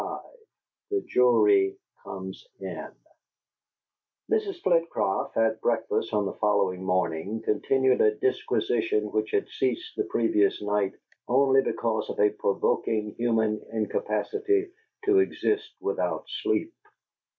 XXV THE JURY COMES IN Mrs. Flitcroft, at breakfast on the following morning, continued a disquisition which had ceased, the previous night, only because of a provoking human incapacity to exist without sleep.